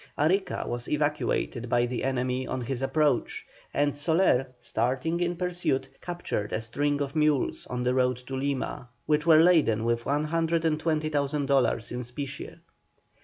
Arica was evacuated by the enemy on his approach, and Soler, starting in pursuit, captured a string of mules on the road to Lima, which were laden with 120,000 dollars in specie.